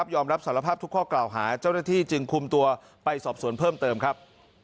ยอมรับสารภาพทุกข้อกล่าวหาเจ้าหน้าที่จึงคุมตัวไปสอบสวนเพิ่มเติมครับ